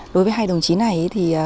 đối với hai đồng chí này